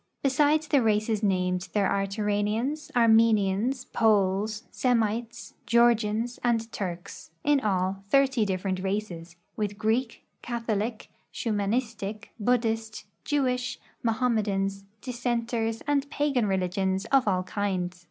Besides the races named, there are Turanians, Armenians, Poles, Semites, Georgians, and Turks — in all, thirty different races — with Greek, Catholic, Shumanistic, Buddhist, Jewish, Mohammedans, Dissenters and pagan religions of all kinds.